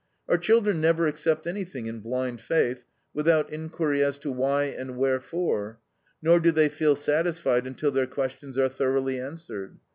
Our children never accept anything in blind faith, without inquiry as to why and wherefore; nor do they feel satisfied until their questions are thoroughly answered.